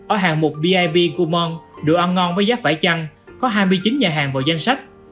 ở hạng mục vip kumon đồ ăn ngon với giáp vải chăn có hai mươi chín nhà hàng vào danh sách